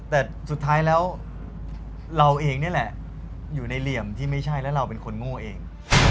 แต่สุดท้ายแล้วเราเองนี่แหละอยู่ในเหลี่ยมที่ไม่ใช่แล้วเราเป็นคนโง่เอง